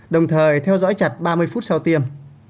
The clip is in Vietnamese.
đồng thời theo dõi chặt ba mươi phút sau tiêm